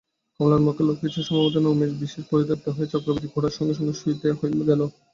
কমলার মুখে লক্ষ্মীছাড়া-সম্বোধনে উমেশ বিশেষ পরিতৃপ্ত হইয়া চক্রবর্তী-খুড়ার সঙ্গে শুইতে গেল।